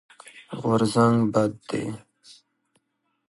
غورځنګ بد دی.